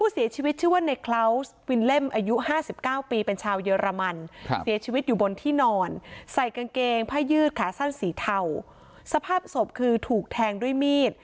ใส่กางเกงผ้ายืดขาสั้นสีเทาสภาพศพคือถูกแทงด้วยมีด